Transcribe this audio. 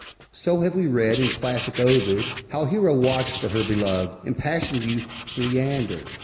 So have we read in classic Ovid, How Hero watched for her belovèd, Impassioned youth, Leander.